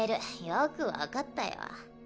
よく分かったよ。